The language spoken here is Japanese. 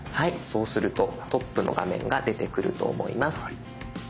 そうするとトップの画面が出てくると思います。